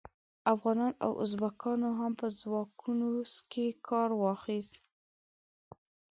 افغانانو او ازبکانو هم په ځواکونو کې کار واخیست.